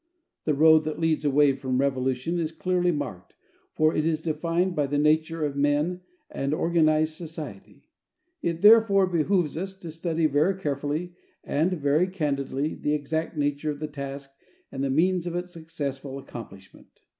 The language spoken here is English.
The road that leads away from revolution is clearly marked, for it is defined by the nature of men and of organized society. It therefore behooves us to study very carefully and very candidly the exact nature of the task and the means of its successful accomplishment.